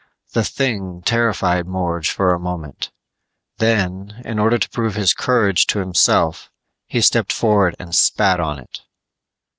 The 'thing terrified Morge for a moment; then, in order to prove his courage to himself, he stepped forward and spat on it.